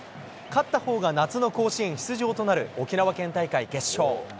勝ったほうが夏の甲子園出場となる沖縄県大会決勝。